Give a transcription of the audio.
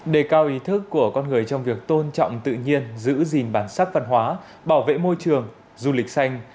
đề cao ý thức của con người trong việc tôn trọng tự nhiên giữ gìn bản sắc văn hóa bảo vệ môi trường du lịch xanh